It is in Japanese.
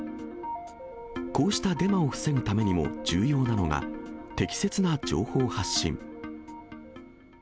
こうしたデマを防ぐためにも重要なのが、適切な情報発信。